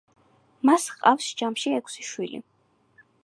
მას ჰყავს ჯამში ექვსი შვილი.